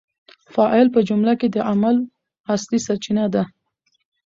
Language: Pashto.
فاعل په جمله کي د عمل اصلي سرچینه ده.